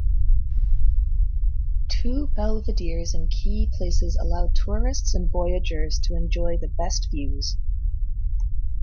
Two belvederes in key places allow tourists and voyagers to enjoy the best views.